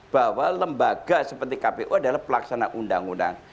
bahwa lembaga seperti kpu adalah pelaksana undang undang